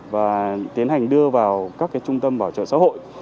và tiến hành đưa vào các trung tâm bảo trợ xã hội